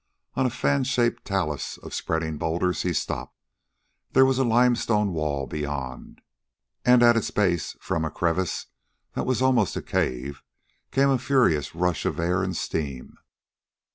On a fan shaped talus of spreading boulders he stopped. There was a limestone wall beyond. And at its base, from a crevice that was almost a cave, came a furious rush of air and steam.